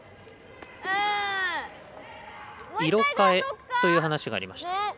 色替えという話がありました。